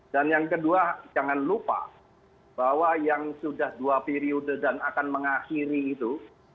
dan yang kedua jangan lupa bahwa yang sudah dua periode dan akan mengakhiri itu